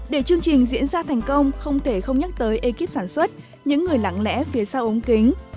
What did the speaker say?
để chương trình diễn ra thành công không thể không nhắc tới ekip sản xuất những người lặng lẽ phía sau ống kính